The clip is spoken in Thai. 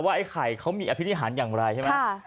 ไอ้ไข่เขามีอภินิหารอย่างไรใช่ไหม